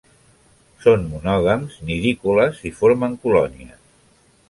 Són monògams, nidícoles i formen colònies.